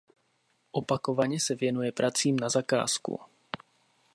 Opakovaně se věnuje pracím na zakázku.